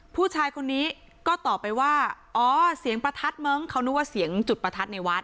ผู้ชายคนนี้ก็ตอบไปว่าอ๋อเสียงประทัดมั้งเขานึกว่าเสียงจุดประทัดในวัด